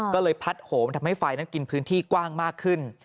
ก็เลยพัดโหมทำให้ไฟนั้นกินพื้นที่กว้างมากขึ้น